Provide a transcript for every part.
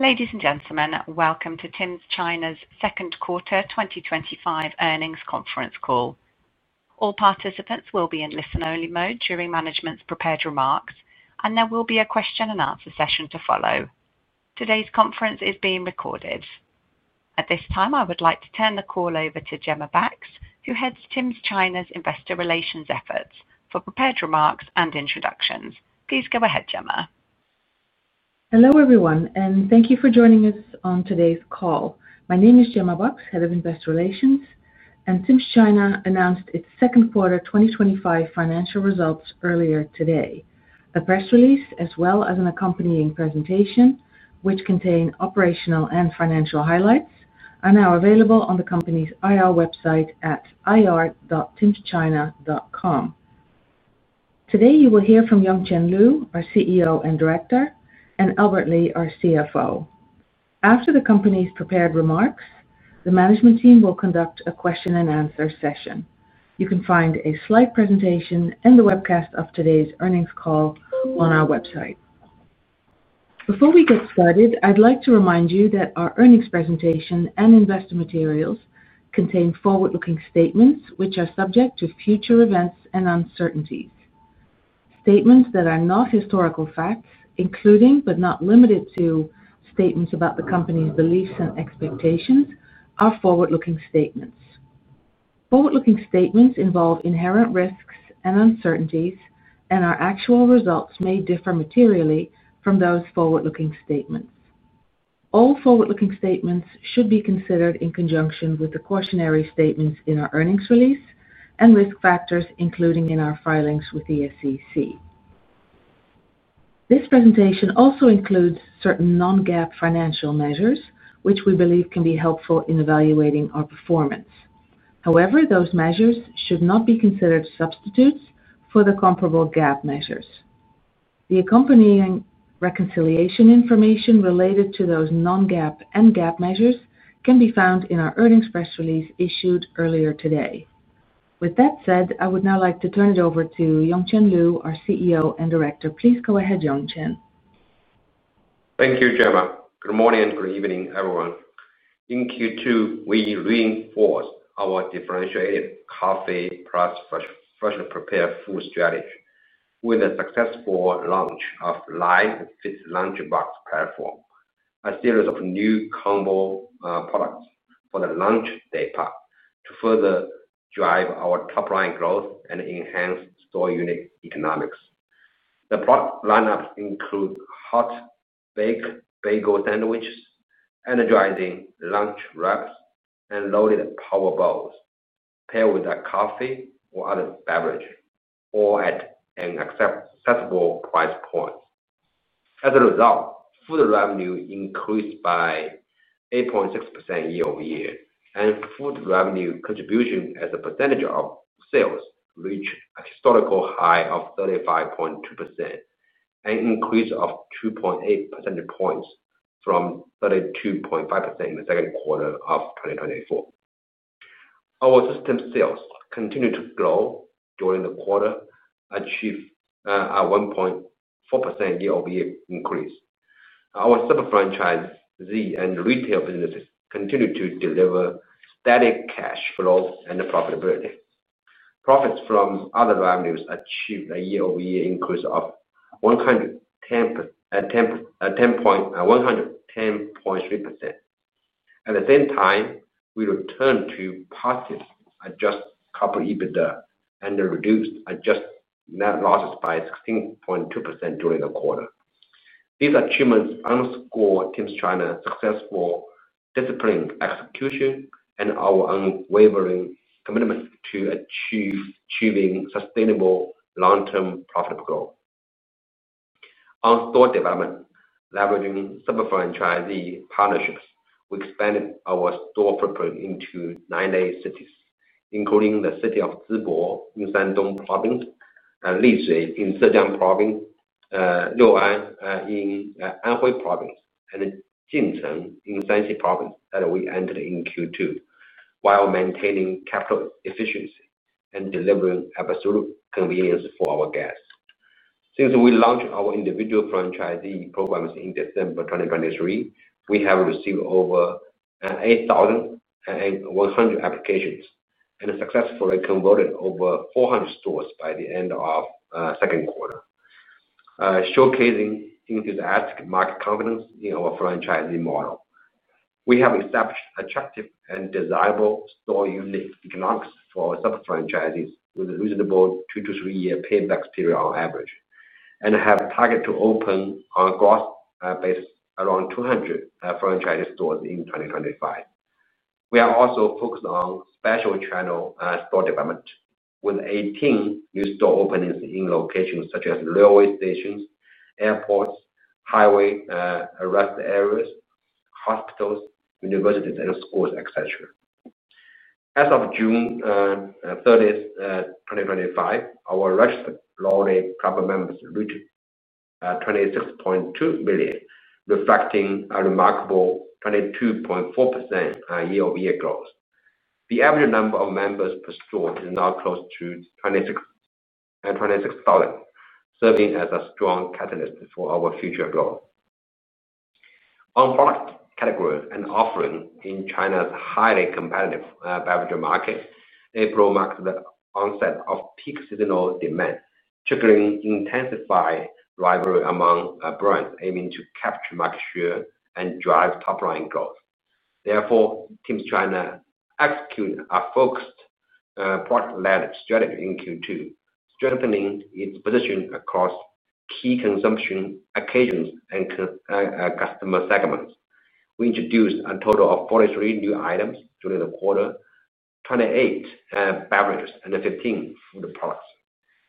Ladies and gentlemen, welcome to Tims China's Second Quarter 2025 Earnings Conference Call. All participants will be in listen-only mode during management's prepared remarks, and there will be a question-and-answer session to follow. Today's conference is being recorded. At this time, I would like to turn the call over to Gemma Bakx, who heads Tims China's Investor Relations efforts, for prepared remarks and introductions. Please go ahead, Gemma. Hello everyone, and thank you for joining us on today's call. My name is Gemma Bakx, Head of Investor Relations, and Tims China announced its second quarter 2025 financial results earlier today. The press release, as well as an accompanying presentation, which contain operational and financial highlights, are now available on the company's IR website at ir.timschina.com. Today, you will hear from Yongchen Lu, our CEO and Director, and Albert Li, our CFO. After the company's prepared remarks, the management team will conduct a question-and-answer session. You can find a slide presentation and the webcast of today's earnings call on our website. Before we get started, I'd like to remind you that our earnings presentation and investor materials contain forward-looking statements, which are subject to future events and uncertainties. Statements that are not historical facts, including but not limited to statements about the company's beliefs and expectations, are forward-looking statements. Forward-looking statements involve inherent risks and uncertainties, and our actual results may differ materially from those forward-looking statements. All forward-looking statements should be considered in conjunction with the cautionary statements in our earnings release and risk factors included in our filings with the SEC. This presentation also includes certain non-GAAP financial measures, which we believe can be helpful in evaluating our performance. However, those measures should not be considered substitutes for the comparable GAAP measures. The accompanying reconciliation information related to those non-GAAP and GAAP measures can be found in our earnings press release issued earlier today. With that said, I would now like to turn it over to Yongchen Lu, our CEO and Director. Please go ahead, Yongchen. Thank you, Gemma. Good morning and good evening, everyone. In Q2, we reinforced our differentiated Coffee + Freshly Prepared Food strategy. With the successful launch of Light & Fit Lunch Box platform, a series of new combo products for the lunch daypart to further drive our top-line growth and enhance store unit economics. The product lineup includes Hot Baked Bagel Sandwiches, Energizing Lunch Wraps, and Loaded Power Bowls, paired with a coffee or other beverage, all at an acceptable price point. As a result, food revenue increased by 8.6% year-over-year, and food revenue contribution as a percentage of sales reached a historical high of 35.2%, an increase of 2.8 percentage points from 32.5% in the second quarter of 2024. Our system sales continued to grow during the quarter, achieving a 1.4% year-over-year increase. Our sub-franchisees and retail businesses continue to deliver steady cash flow and profitability. Profits from other revenues achieved a year-over-year increase of 110.3%. At the same time, we returned to positive adjusted corporate EBITDA and reduced adjusted net losses by 16.2% during the quarter. These achievements underscore Tims China's successful discipline execution and our unwavering commitment to achieving sustainable long-term profitable growth. On store development, leveraging sub-franchisee partnerships, we expanded our store footprint into 90 cities, including the city of Zibo in Shandong Province, at Lishui in Zhejiang Province, Lu'an in Anhui Province, and Jincheng in Shanxi Province that we entered in Q2, while maintaining capital efficiency and delivering absolute convenience for our guests. Since we launched our individual franchisee programs in December 2023, we have received over 8,100 applications and successfully converted over 400 stores by the end of the second quarter, showcasing enthusiastic market confidence in our franchisee model. We have established attractive and desirable store unit economics for sub-franchisees with a reasonable 2-3 year payback period on average and have a target to open on a gross basis around 200 franchisee stores in 2025. We are also focused on special channel store development, with 18 new store openings in locations such as railway stations, airports, highway rest areas, hospitals, universities, and schools, etc. As of June 30th, 2025, our registered loyalty members reached 26.2 million, reflecting a remarkable 22.4% year-over-year growth. The average number of members per store is now close to 26,000, serving as a strong catalyst for our future growth. On product categories and offerings, in China's highly competitive beverage market, April marks the onset of peak seasonal demand, triggering intensified rivalry among brands aiming to capture market share and drive top-line growth. Therefore, Tims China executed a focused product-led strategy in Q2, strengthening its position across key consumption occasions and customer segments. We introduced a total of 43 new items during the quarter, 28 beverages and 15 in the products,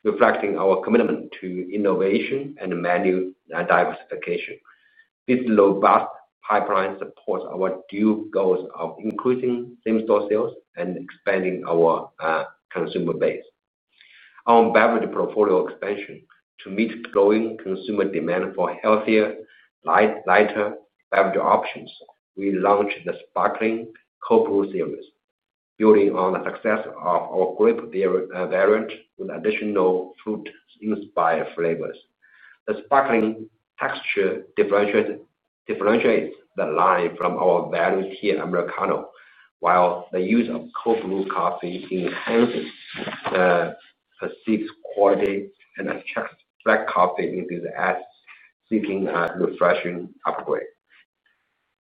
reflecting our commitment to innovation and menu diversification. This robust pipeline supports our dual goals of increasing in-store sales and expanding our consumer base. On beverage portfolio expansion, to meet growing consumer demand for healthier, lighter beverage options, we launched the Sparkling Cold series, building on the success of our grape variant with additional fruit-inspired flavors. The sparkling texture differentiates the line from our value-tier Americano, while the use of cold brew coffee enhances the perceived quality and attracts black coffee enthusiasts seeking a refreshing upgrade.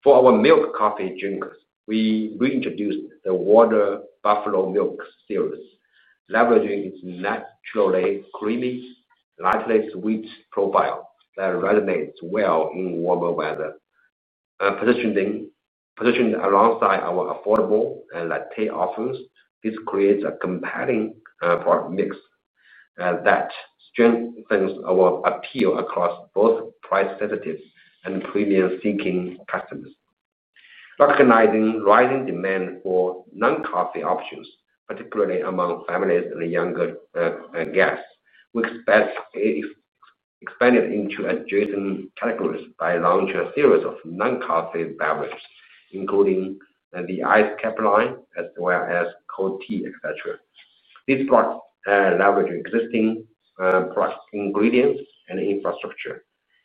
For our milk coffee genius, we reintroduced the Water Buffalo Milk series, leveraging its naturally creamy, lightly sweet profile that resonates well in warmer weather. Positioned alongside our affordable and lactate options, this creates a compelling product mix that strengthens our appeal across both price sensitive and premium-seeking customers. Recognizing rising demand for non-coffee options, particularly among families and younger guests, we expanded into adjacent categories by launching a series of non-coffee beverages, including the Iced Capp line, as well as cold tea, etc. These products leverage existing product ingredients and infrastructure,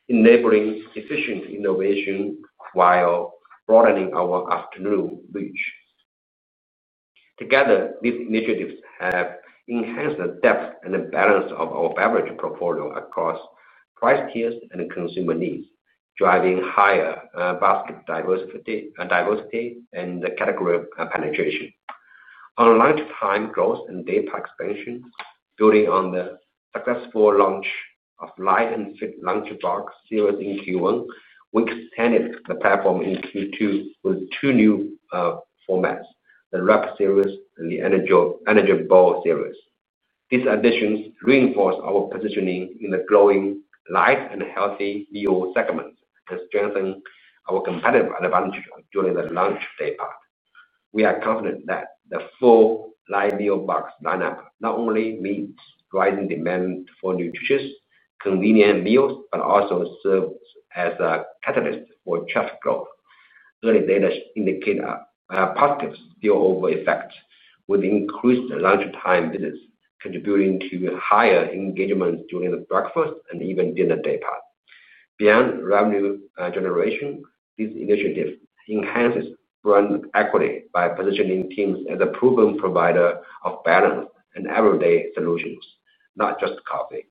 enabling efficient innovation while broadening our customer reach. Together, these initiatives have enhanced the depth and the balance of our beverage portfolio across price tiers and consumer needs, driving higher bottle diversity and category penetration. On lifetime growth and data expansion, building on the successful launch of Light & Fit Lunch Box series in Q1, we expanded the platform in Q2 with two new formats: the Wrap Series and the Energy Bowl series. These additions reinforce our positioning in the growing light and healthy meal segment and strengthen our competitive advantage during the lunch day part. We are confident that the full Light Meal Box lineup not only meets rising demand for nutritious, convenient meals, but also serves as a catalyst for chefs' growth. Early data indicate a positive spillover effect, with increased lunchtime visits, contributing to higher engagement during the breakfast and even dinner day part. Beyond revenue generation, this initiative enhances brand equity by positioning Tims China as a proven provider of balance and everyday solutions, not just coffee.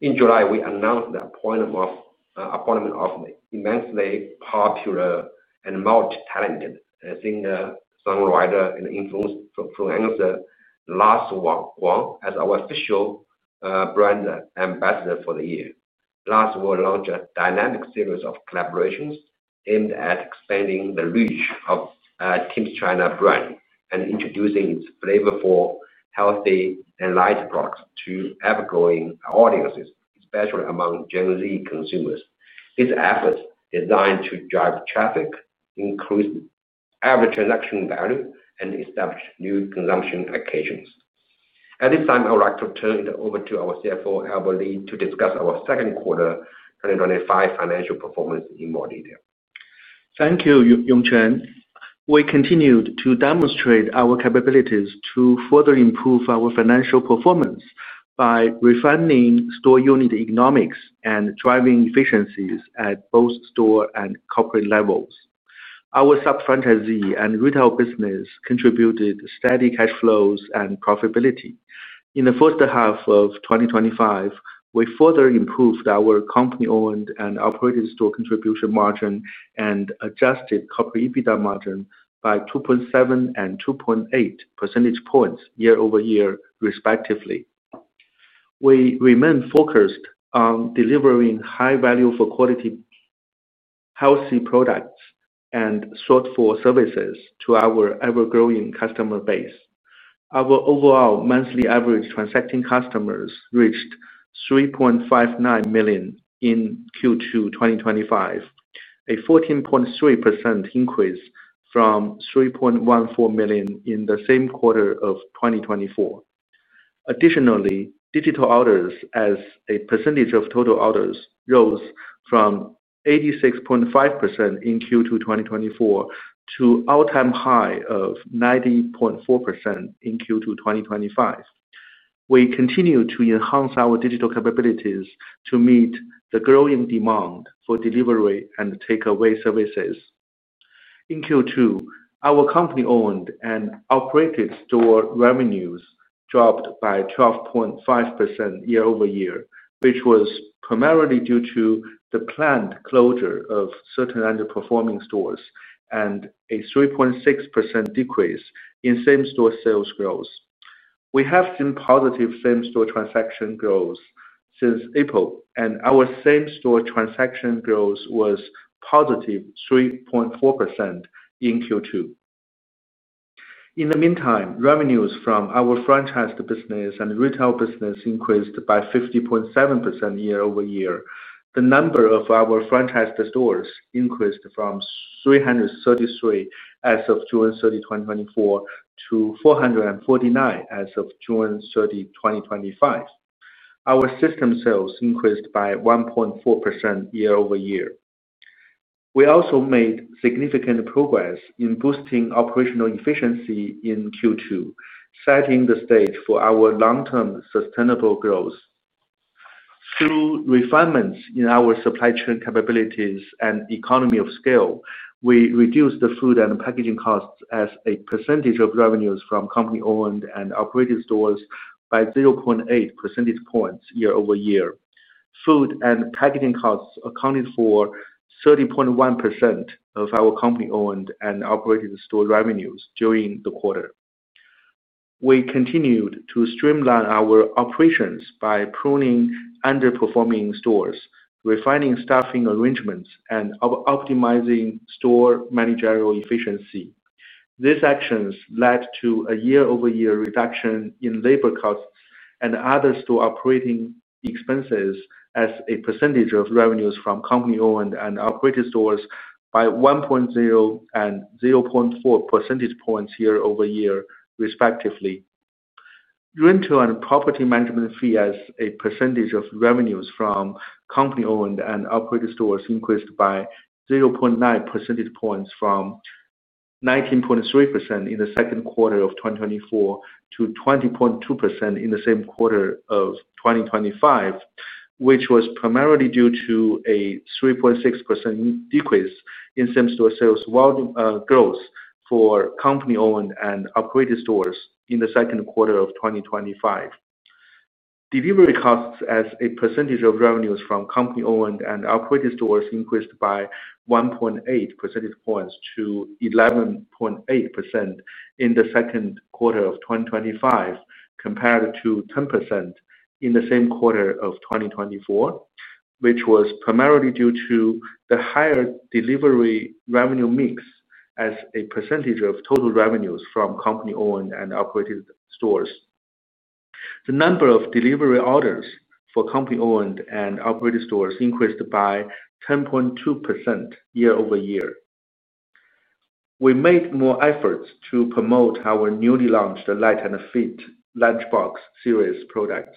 In July, we announced the appointment of an immensely popular and multi-talented singer, songwriter, and influencer Lars Huang as our official brand ambassador for the year. Lars launched a dynamic series of collaborations aimed at expanding the reach of the Tims China brand and introducing its flavorful, healthy, and light products to ever-growing audiences, especially among Gen Z consumers. This effort is designed to drive traffic, increase average transaction value, and establish new consumption occasions. At this time, I would like to turn it over to our CFO, Albert Li, to discuss our second quarter 2025 financial performance in more detail. Thank you, Yongchen. We continued to demonstrate our capabilities to further improve our financial performance by refining store unit economics and driving efficiencies at both store and corporate levels. Our sub-franchisee and retail business contributed steady cash flows and profitability. In the first half of 2025, we further improved our company-owned and operated store contribution margin and adjusted corporate EBITDA margin by 2.7 percentage points-2.8 percentage points year-over-year, respectively. We remain focused on delivering high value for quality, healthy products, and thoughtful services to our ever-growing customer base. Our overall monthly average transacting customers reached 3.59 million in Q2 2025, a 14.3% increase from 3.14 million in the same quarter of 2024. Additionally, digital orders as a percentage of total orders rose from 86.5% in Q2 2024 to an all-time high of 90.4% in Q2 2025. We continue to enhance our digital capabilities to meet the growing demand for delivery and takeaway services. In Q2, our company-owned and operated store revenues dropped by 12.5% year-over-year, which was primarily due to the planned closure of certain underperforming stores and a 3.6% decrease in same-store sales growth. We have seen positive same-store transaction growth since April, and our same-store transaction growth was positive 3.4% in Q2. In the meantime, revenues from our franchised business and retail business increased by 50.7% year-over-year. The number of our franchised stores increased from 333 as of June 30, 2024 to 449 as of June 30, 2025. Our system sales increased by 1.4% year-over-year. We also made significant progress in boosting operational efficiency in Q2, setting the stage for our long-term sustainable growth. Through refinements in our supply chain capabilities and economy of scale, we reduced the food and packaging costs as a percentage of revenues from company-owned and operated stores by 0.8 percentage points year-over-year. Food and packaging costs accounted for 30.1% of our company-owned and operated store revenues during the quarter. We continued to streamline our operations by pruning underperforming stores, refining staffing arrangements, and optimizing store managerial efficiency. These actions led to a year-over-year reduction in labor costs and other store operating expenses as a percentage of revenues from company-owned and operated stores by 1.0 percentage points-0.4 percentage points year-over-year, respectively. Rental and property management fee as a percentage of revenues from company-owned and operated stores increased by 0.9 percentage points from 19.3% in the second quarter of 2024 to 20.2% in the same quarter of 2025, which was primarily due to a 3.6% decrease in same-store sales growth for company-owned and operated stores in the second quarter of 2025. Delivery costs as a percentage of revenues from company-owned and operated stores increased by 1.8 percentage points to 11.8% in the second quarter of 2025, compared to 10% in the same quarter of 2024, which was primarily due to the higher delivery revenue mix as a percentage of total revenues from company-owned and operated stores. The number of delivery orders for company-owned and operated stores increased by 10.2% year-over-year. We made more efforts to promote our newly launched Light & Fit Lunch Box series products.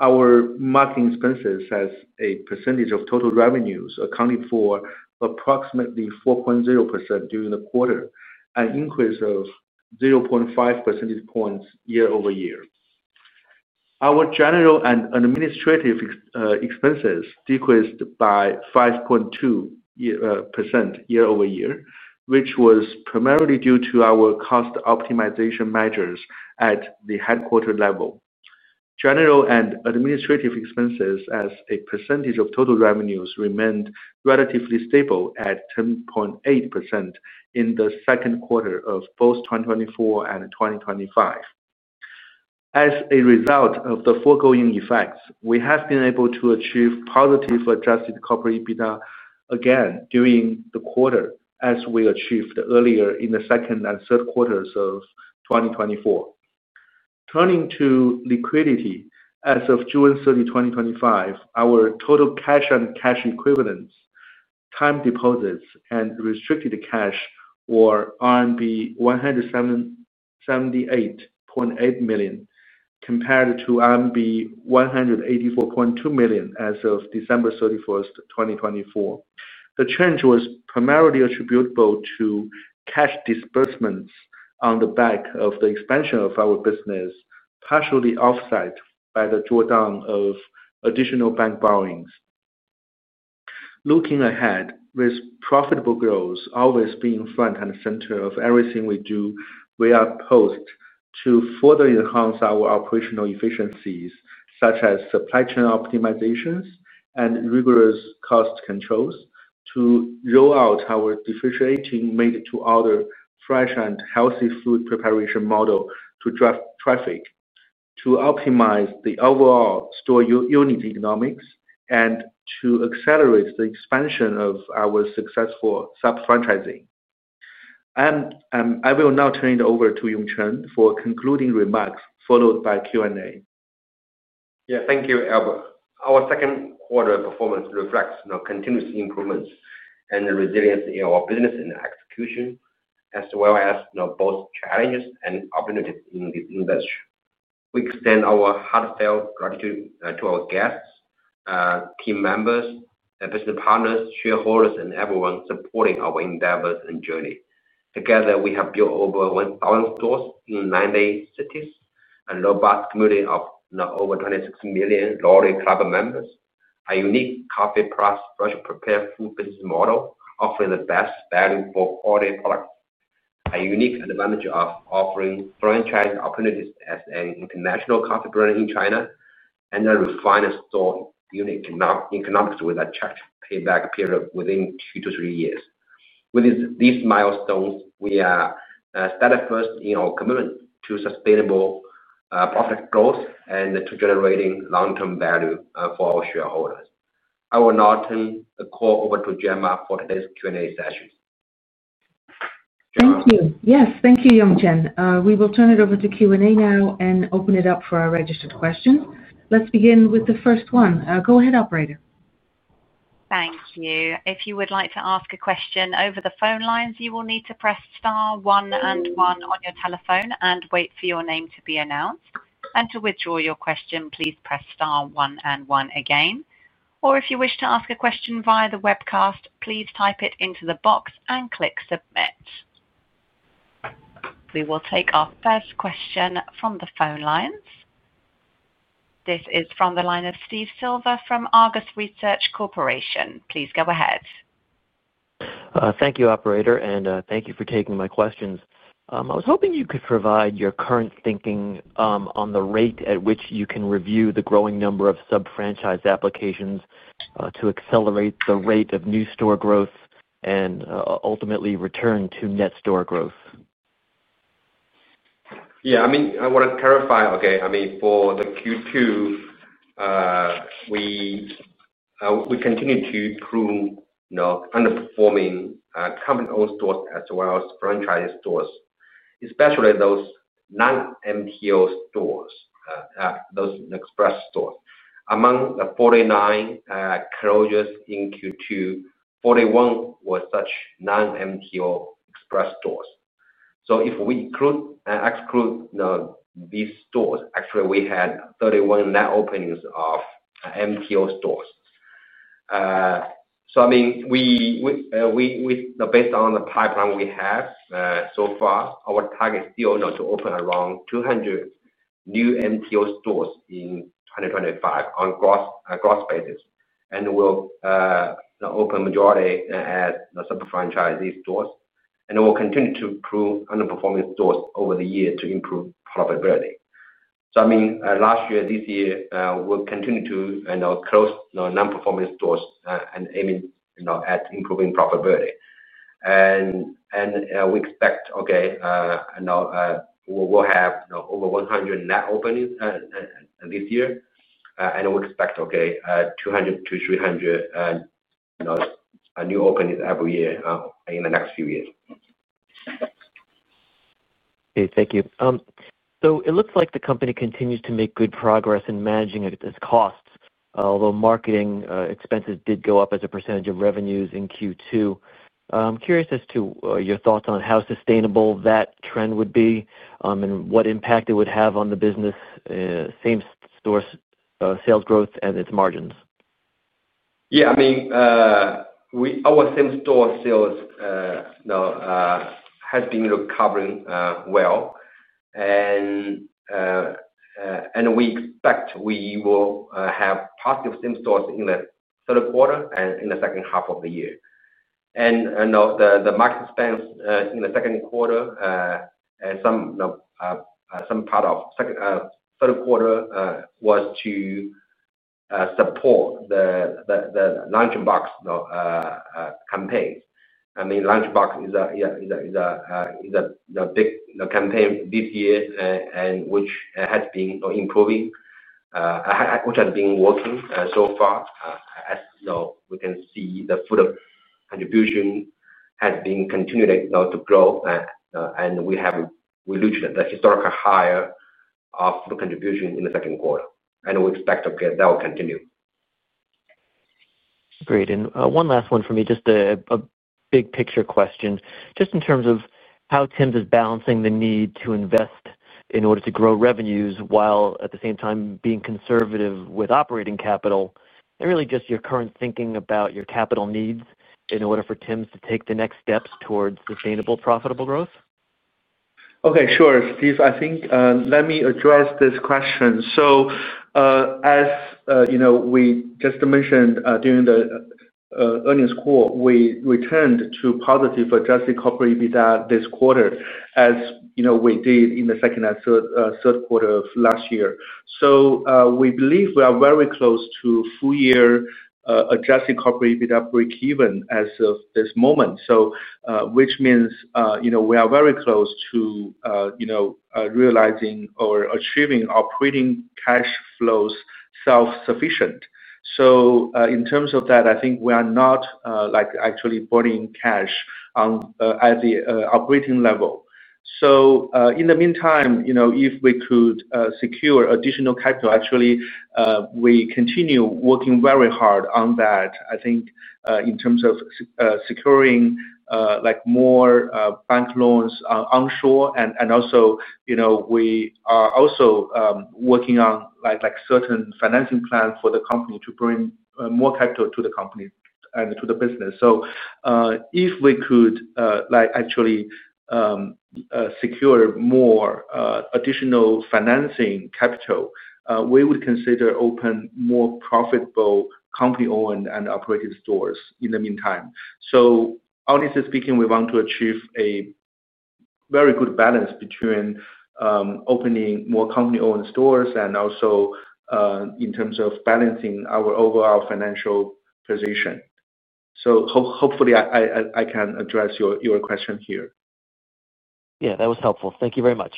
Our marketing expenses as a percentage of total revenues accounted for approximately 4.0% during the quarter, an increase of 0.5 percentage points year-over-year. Our general and administrative expenses decreased by 5.2% year-over-year, which was primarily due to our cost optimization measures at the headquarter level. General and administrative expenses as a percentage of total revenues remained relatively stable at 10.8% in the second quarter of both 2024 and 2025. As a result of the foregoing effects, we have been able to achieve positive adjusted corporate EBITDA again during the quarter, as we achieved earlier in the second and third quarters of 2024. Turning to liquidity, as of June 30, 2025, our total cash and cash equivalents, time deposits, and restricted cash were RMB 178.8 million, compared to RMB 184.2 million as of December 31, 2024. The change was primarily attributable to cash disbursements on the back of the expansion of our business, partially offset by the drawdown of additional bank borrowings. Looking ahead, with profitable growth always being front and center of everything we do, we are poised to further enhance our operational efficiencies, such as supply chain optimization and rigorous cost controls, to roll out our differentiating made-to-order fresh and healthy food preparation model to drive traffic, to optimize the overall store unit economics, and to accelerate the expansion of our successful sub-franchising. I will now turn it over to Yongchen for concluding remarks, followed by Q&A. Yes, thank you, Albert. Our second quarter performance reflects continuous improvements and the resilience in our business and execution, as well as both challenges and opportunities in this industry. We extend our heartfelt gratitude to our guests, team members, business partners, shareholders, and everyone supporting our endeavors and journey. Together, we have built over 1,000 stores in 90 cities, a robust community of over 26 million loyalty club members, a unique Coffee + Freshly Prepared Food business model offering the best value for all the products, a unique advantage of offering franchise opportunities as an international coffee brand in China, and a refined store unit economics with a check payback period within two to three years. With these milestones, we are steadfast in our commitment to sustainable profit growth and to generating long-term value for our shareholders. I will now turn the call over to Gemma for today's Q&A session. Thank you. Yes, thank you, Yongchen. We will turn it over to Q&A now and open it up for our registered questions. Let's begin with the first one. Go ahead, operator. Thank you. If you would like to ask a question over the phone lines, you will need to press star one and one on your telephone and wait for your name to be announced. To withdraw your question, please press star one and one again. If you wish to ask a question via the webcast, please type it into the box and click submit. We will take our first question from the phone lines. This is from the line of Steve Silver from Argus Research. Please go ahead. Thank you, operator, and thank you for taking my questions. I was hoping you could provide your current thinking on the rate at which you can review the growing number of sub-franchising applications to accelerate the rate of new store growth and ultimately return to net new store growth. I want to clarify, for Q2, we continue to prune underperforming company-owned stores as well as franchised stores, especially those non-MTO stores, those express stores. Among the 49 closures in Q2, 41 were such non-MTO express stores. If we exclude these stores, actually, we had 31 net openings of MTO stores. Based on the pipeline we have so far, our target is still to open around 200 new MTO stores in 2025 on a gross basis. We'll open a majority at sub-franchisee stores. We'll continue to prune underperforming stores over the year to improve profitability. Last year, this year, we'll continue to close non-performing stores and aim at improving profitability. We expect we'll have over 100 net openings this year. We expect 200-300 new openings every year in the next few years. Okay, thank you. It looks like the company continues to make good progress in managing its costs, although marketing expenses did go up as a percentage of revenues in Q2. I'm curious as to your thoughts on how sustainable that trend would be and what impact it would have on the business, same-store sales growth, and its margins? Yeah, I mean, our same-store sales has been recovering well. We expect we will have positive same-store sales in the third quarter and in the second half of the year. The market expense in the second quarter and some part of the third quarter was to support the lunch box campaign. I mean, lunch box is a big campaign this year, which has been improving, which has been working so far. As we can see, the food contribution has been continuing to grow, and we have reached the historical high of food contribution in the second quarter. We expect that will continue. Great. One last one from me, just a big-picture question. In terms of how Tims China is balancing the need to invest in order to grow revenues while at the same time being conservative with operating capital, and really just your current thinking about your capital needs in order for Tims China to take the next steps towards sustainable, profitable growth. Okay, sure, Steve. I think let me address this question. As you know, we just mentioned during the earnings quarter, we returned to positive adjusted corporate EBITDA this quarter, as you know we did in the second and third quarter of last year. We believe we are very close to full-year adjusted corporate EBITDA breakeven as of this moment, which means we are very close to realizing or achieving operating cash flow self-sufficiency. In terms of that, I think we are not actually burning cash at the operating level. In the meantime, if we could secure additional capital, actually, we continue working very hard on that. I think in terms of securing more bank loans onshore, and also, we are also working on certain financing plans for the company to bring more capital to the company and to the business. If we could actually secure more additional financing capital, we would consider opening more profitable company-owned and operated stores in the meantime. Honestly speaking, we want to achieve a very good balance between opening more company-owned stores and also in terms of balancing our overall financial position. Hopefully, I can address your question here. Yeah, that was helpful. Thank you very much.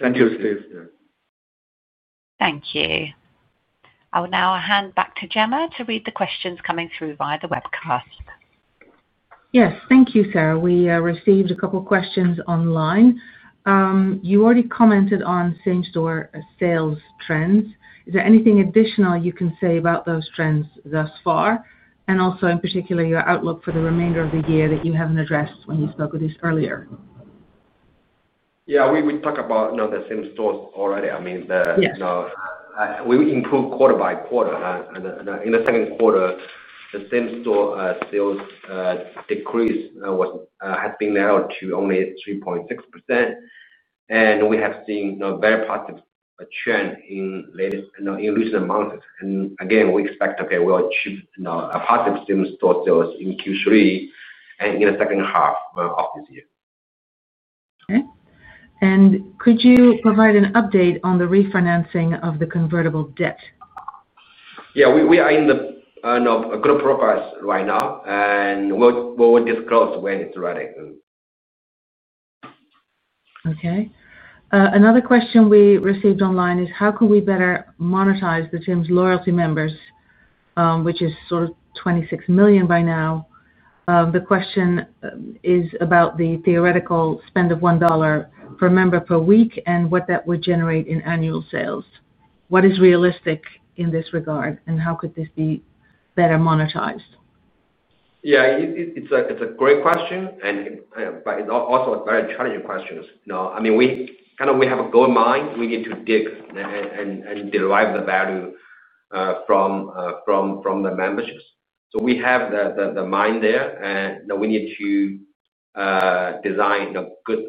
Thank you, Steve. Thank you. I will now hand back to Gemma to read the questions coming through via the webcast. Yes, thank you, Sarah. We received a couple of questions online. You already commented on same-store sales trends. Is there anything additional you can say about those trends thus far? Also, in particular, your outlook for the remainder of the year that you haven't addressed when you spoke with us earlier. Yeah, we talked about the same-store sales already. I mean, we improved quarter by quarter. In the second quarter, the same-store sales decreased, which has been now to only 3.6%. We have seen a very positive trend in recent months. We expect we'll achieve a positive same-store sales in Q3 and in the second half of this year. Could you provide an update on the refinancing of the convertible debt? Yeah, we are in good progress right now, and we will disclose when it's ready. Okay. Another question we received online is how can we better monetize the Tims loyalty members, which is sort of 26 million by now? The question is about the theoretical spend of $1 per member per week and what that would generate in annual sales. What is realistic in this regard, and how could this be better monetized? Yeah, it's a great question, but it's also a very challenging question. I mean, we kind of have a goal in mind. We need to dig and derive the value from the memberships. We have the mind there, and we need to design a good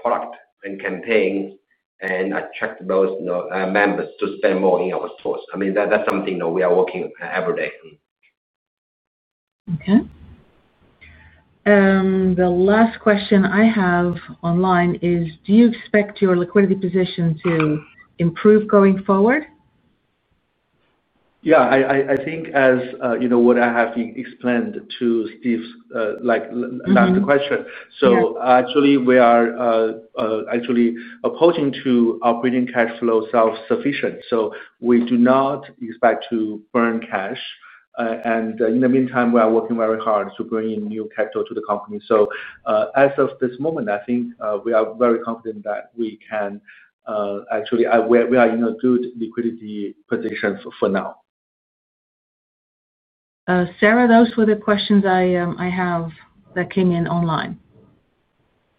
product and campaign and attract those members to spend more in our stores. That's something we are working every day. Okay. The last question I have online is, do you expect your liquidity position to improve going forward? Yeah, I think as you know what I have explained to Steve's last question. We are actually approaching to operating cash flow self-sufficiency. We do not expect to burn cash. In the meantime, we are working very hard to bring in new capital to the company. As of this moment, I think we are very confident that we can actually, we are in a good liquidity position for now. Sarah, those were the questions I have that came in online.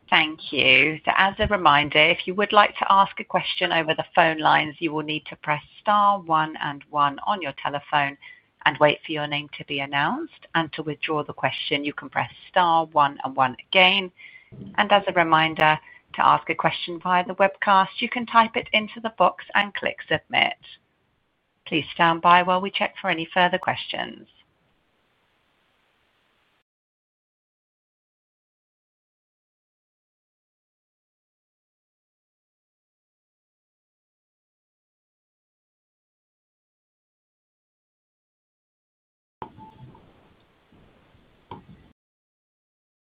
Thank you. As a reminder, if you would like to ask a question over the phone lines, you will need to press star one and one on your telephone and wait for your name to be announced. To withdraw the question, you can press star one and one again. As a reminder, to ask a question via the webcast, you can type it into the box and click submit. Please stand by while we check for any further questions.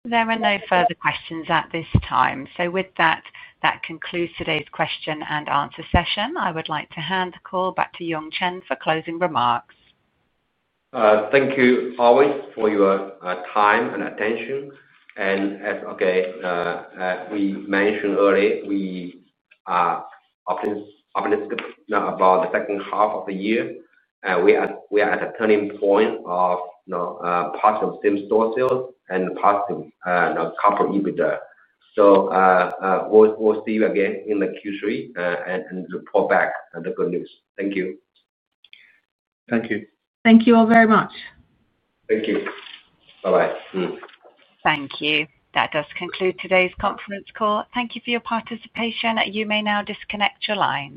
There are no further questions at this time. That concludes today's question and answer session. I would like to hand the call back to Yongchen Lu for closing remarks. Thank you, always, for your time and attention. As we mentioned earlier, we are optimistic about the second half of the year. We are at a turning point of positive same-store sales and positive corporate EBITDA. We'll see you again in the Q3 and report back the good news. Thank you. Thank you. Thank you all very much. Thank you. Bye-bye. Thank you. That does conclude today's conference call. Thank you for your participation. You may now disconnect your line.